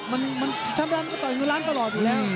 มันต่อเนื้อล้านอยู่แล้ว